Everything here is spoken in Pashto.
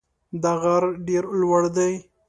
دا غر ډېر لوړ دی.